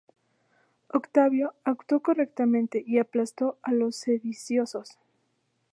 Octavio actuó correctamente y aplastó a los sediciosos.